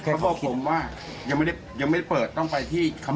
เขาบอกผมว่ายังไม่ได้เปิดต้องไปที่เขมร